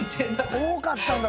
多かったんだ